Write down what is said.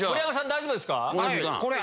大丈夫ですか？